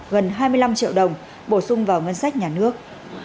gần hai mươi năm triệu đồng bổ sung vào ngân sách nhà nước